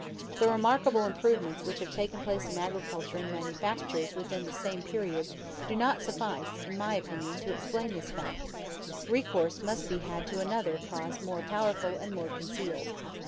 The remarkable improvements which have taken place in agriculture and manufactures within the same period do not suffice in my opinion to explain this fact; recourse must be had to another cause more powerful and more concealed.